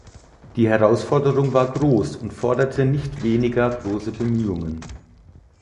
Die Herausforderung war groß und forderte nicht weniger große Bemühungen.